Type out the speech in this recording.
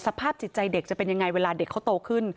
สภาพจิตใจเด็กจะเป็นยังไงเวลาเด็กเขาโตขึ้น